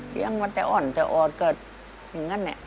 ยังมันแต่อ่อนแต่อีกนะ